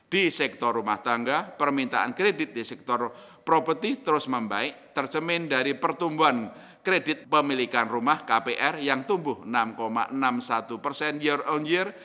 di sektor rumah tangga permintaan kredit di sektor properti terus membaik tercemin dari pertumbuhan kredit pemilikan rumah kpr yang tumbuh enam enam puluh satu persen year on year